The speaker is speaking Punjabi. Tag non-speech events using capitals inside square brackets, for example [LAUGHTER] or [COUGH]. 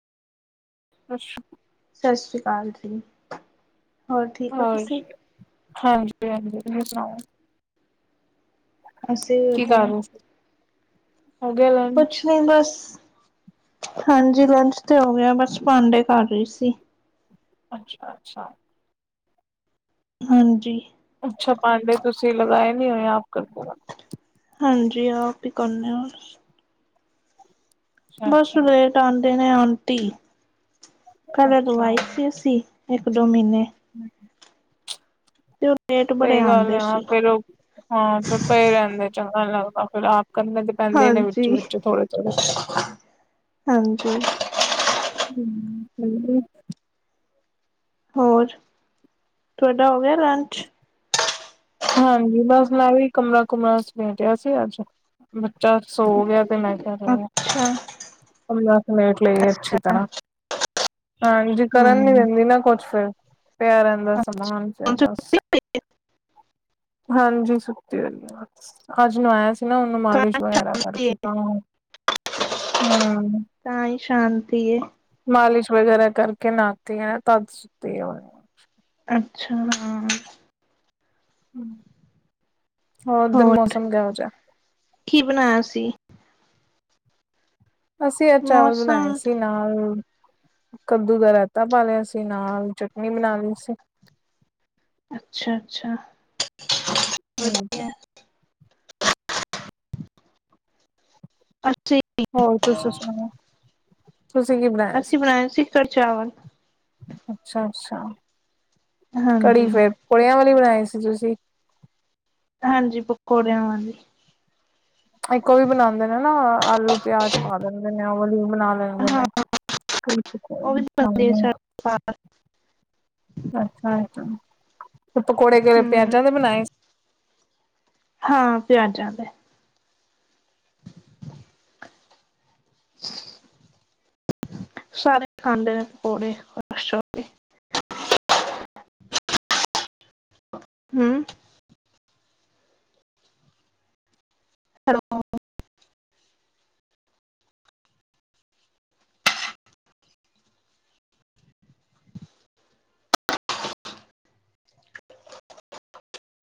ਅੱਛਾ ਸਸ਼੍ਰੀ ਅਕਾਲ ਜੀ। ਹੋਰ ਠੀਕ ਹੋ ਹੋਰ ਤੁਸੀਂ? ਜੀ ਹਾਂਜੀ- ਹਾਂਜੀ ਤੁਸੀਂ ਸੁਣਾਓ? ਅਸੀ ਕੀ ਕਰ ਵਧੀਆ। ਰਹੇ ਸੀ ਹੋ ਗਏ ਲਰਨ ਕੁਛ ਨੀ ਬਸ ਹਾਂਜੀ ਲੰਚ ਤੇ ਹੋ ਗਿਆ ਬਸ ਭਾਂਡੇ ਕਰ ਰਹੀ ਸੀ। ਅੱਛਾ ਅੱਛਾ। ਹਾਂਜੀ। ਅੱਛਾ ਭਾਂਡੇ ਤੁਸੀਂ ਲਗਾਏ ਨਹੀਂ ਹੋਏ ਆਪ ਕਰਦੇ ਹੋ? ਹਾਂਜੀ ਆਪ ਹੀ ਕਰਨੇ ਹੋਰ ਅੱਛਾ ਬਸ ਅੱਛਾ ਲੇਟ ਆਂਦੇ ਨੇ ਆਂਟੀ ਪਹਿਲੇ ਲਵਾਈ ਸੀ ਅਸੀਂ ਇੱਕ ਦੋ ਮਹੀਨੇ। ਹਮ-ਹਮ ਤਬ ਸਹੀ ਗੱਲ ਹੈ ਹਾਂ ਫਿਰ ਉਹ ਹਾਂ ਫੇਰ ਪਏ ਰਹਿੰਦੇ ਚੰਗਾ ਨੀ ਲੱਗਦਾ ਫੇਰ ਆਪ ਕਰਨੇ ਪੈਂਦੇ ਨੇ ਹਾਂਜੀ, ਵਿੱਚੋਂ ਵਿੱਚੋਂ ਥੋੜੇ ਥੋੜੇ। ਹਾਂਜੀ ਹਮ-ਹਮ ਹੋਰ ਤਾਡਾ ਹੋ ਗਿਆ ਲੰਚ? ਹਾਂਜੀ ਬਸ ਮੈਂ ਵੀ ਕਮਰਾ ਕੁਮਰਾ ਸਮੇਟਿਆ ਸੀ ਅੱਜ ਬੱਚਾ ਸੋ ਗਿਆ ਪੈ ਨਾਸ਼ਤਾ ਕਰ ਲਓ ਅੱਛਾ, ਕਮਰਾ ਸਮੇਟ ਲਈਏ ਅੱਛੀ ਅੱਛਾ ਤਰਾਂ। ਹਾਂਜੀ ਕਰਨ ਨੀ ਹੂੰ। ਦੈਂਦੀ ਨਾ ਕੁਛ ਫੇਰ, ਪਿਆ ਰਹਿੰਦਾ ਸਮਾਨ ਫੇਰ ਬਸ। ਹਾਂਜੀ ਸੁਤੀ ਹੋਈ ਏ ਬਸ ਅੱਜ ਨਹਵਾਇਆ ਸੀ। ਨਾ ਉਹਨੂੰ ਮਾਲਿਸ਼ ਵਗੈਰਾ ਕਰਕੇ ਤਾਂ ਹੁਨ, ਹੂੰ। ਤਾਂ ਹੀ ਸ਼ਾਂਤੀ ਐ। ਮਾਲਿਸ਼ ਵਗੈਰਾ ਕਰਕੇ ਨਹਾਤੀ ਆ ਤੱਦ ਸੁੱਤੀ ਏ ਹੁਣੇ। ਅੱਛਾ। ਹੂੰ ਹੋਰ ਉਧਰ ਮੌਸਮ ਕੇਵੇ ਜੇਹਾ? ਹੀ ਬਣਾਇਆ ਸੀ? ਅਸੀਂ ਅੱਜ ਚਾਵਲ ਬਣਾਏ ਮੌਸਮ ਸੀ ਨਾਲ ਕੱਦੂ ਦਾ ਰਾਇਤਾ ਪਾ ਲਿਆ ਸੀ ਨਾਲ, ਚਟਨੀ ਬਣਾ ਲਈ ਸੀ। ਅੱਛਾ- ਅੱਛਾ। ਹੂੰ-ਹੂੰ। ਵਧੀਆ [UNINTELLIGIBLE] ਹੋਰ ਤੁਸੀਂ ਸੁਣਾਓ ਅੱਸੀ ਬਣਾਇਆ ਸੀ ਫੇਰ ਚਾਵਲ, ਅੱਛਾ- ਅੱਛਾ ਕੜੀ ਹਾਂਜੀ ਫੇਰ ਪਕੋੜੇਆਂ ਵਾਲੀ ਬਣਾਈ ਸੀ ਤੁਸੀਂ? ਹਾਂਜੀ ਪਕੋੜੇਆਂ ਵਾਲੀ। ਇੱਕ ਉਹ ਵੀ ਬਣਾਉਂਦੇ ਨੇ ਨਾ ਆਲੂ ਪਿਆਜ ਪਾ ਲੈਂਦੇ ਨੇ ਉਹ ਵਾਲੀ ਵੀ ਬਣਾ ਹਾਂ ਉਹ ਵੀ ਬਣਦੇ ਸਾਡੇ ਘਰ [UNINTELLIGIBLE] ਅੱਛਾ- ਅੱਛਾ ਤੇ ਪਕੌੜੇ ਕਿਹੜੇ ਹਮ ਪਿਆਜਾਂ ਦੇ ਬਣਾਏ ਹਾਂ ਪਿਆਜ਼ਾ ਵਾਲੇ। [UNINTELLIGIBLE] ਸਾਰੇ ਖਾਂ ਦੇ ਨੇ ਪਕੌੜੇ ਖੁਸ਼ ਹੋ ਕੇ। ਹੂੰ। ਹੈਲੋ [INAUDIBLE]